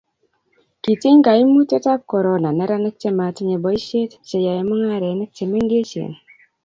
kitiny kaimutietab korona neranik che matinyei boisie, che yoe mung'arenik che mengechen